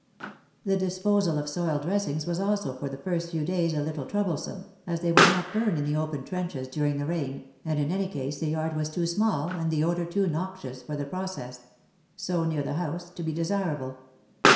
The disposal of soiled dressings was also for the first few days a little troublesome, as they would not burn in the open trenches during the rain, and in any case the yard was too small and the odour too noxious for the process — so near the house — to be desirable.